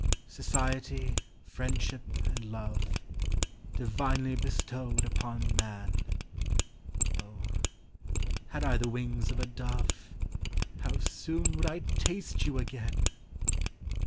Society, friendship, and love, Divinely bestowed upon man ! O, had I the wings of a dove, How soon would I taste you again